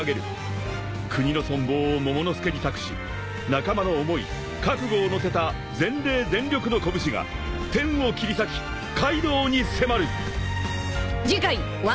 ［国の存亡をモモの助に託し仲間の思い覚悟をのせた全霊全力の拳が天を切り裂きカイドウに迫る］